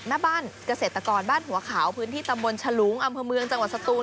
แม่บ้านเกษตรกรบ้านหัวขาวพื้นที่ตำบลฉลุงอำเภอเมืองจังหวัดสตูน